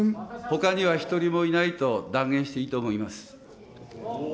ほかには１人もいないと断言していいと思います。